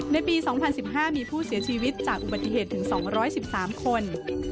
ในปี๒๐๑๕มีผู้เสียชีวิตจากอุบัติเหตุถึง๒๑๓คน